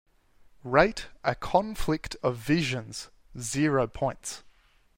Rate A Conflict of Visions zero points